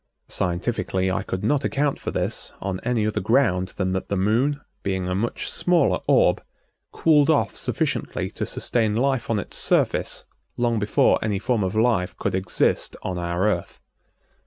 Scientifically I could not account for this on any other ground than that the Moon, being a much smaller orb, cooled off sufficiently to sustain life on its surface long before any form of life could exist on our Earth.